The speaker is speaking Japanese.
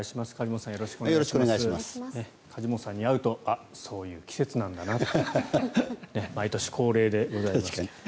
梶本さんに会うとそういう季節なんだなって毎年恒例でございます。